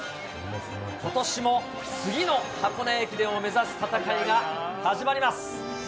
ことしも次の箱根駅伝を目指す戦いが始まります。